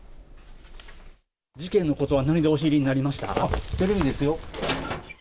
事件のことは何でお知りになテレビですよ。